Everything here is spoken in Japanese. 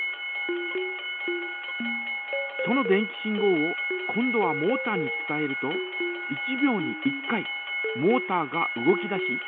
その電気信号を今度はモータに伝えると１秒に１回モータが動き出し。